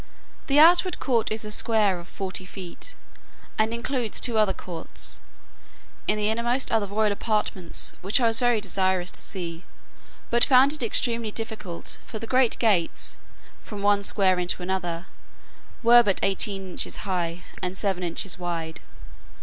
The outward court is a square of forty feet, and includes two other courts: in the inmost are the royal apartments, which I was very desirous to see, but found it extremely difficult; for the great gates, from one square into another, were but eighteen inches high, and seven inches wide.